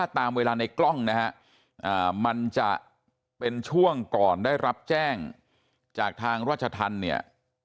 ตามเวลาในกล้องนะฮะมันจะเป็นช่วงก่อนได้รับแจ้งจากทางราชธรรมเนี่ย